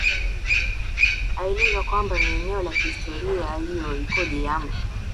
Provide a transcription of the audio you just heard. aelezwa kwamba ni eneo la kihistoria historia hiyo ikoje yam